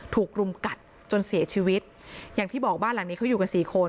ถูกรุมกัดจนเสียชีวิตอย่างที่บอกบ้านหลังนี้เขาอยู่กันสี่คน